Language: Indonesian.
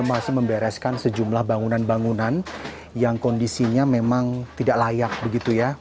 masih membereskan sejumlah bangunan bangunan yang kondisinya memang tidak layak begitu ya